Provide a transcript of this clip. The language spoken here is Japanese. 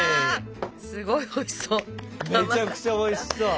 めちゃくちゃおいしそう。